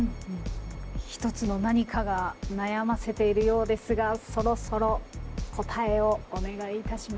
一つの何かが悩ませているようですがそろそろ答えをお願いいたします。